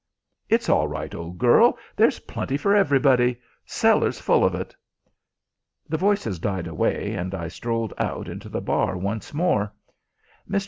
"It's all right, old girl. There's plenty for everybody. Cellar's full of it." The voices died away, and I strolled out into the bar once more. Mr.